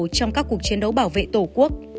trong các cuộc chiến đấu bảo vệ tổ quốc